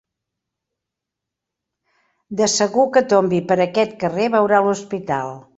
De segur que tombi per aquest carrer veurà l'hospital.